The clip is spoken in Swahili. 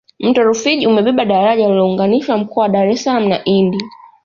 mto rufiji umebeba daraja lilounganisha mkoa ya dar es salaam na indi